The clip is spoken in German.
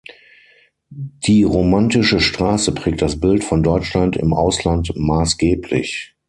Die Romantische Straße prägt das Bild von Deutschland im Ausland maßgeblich.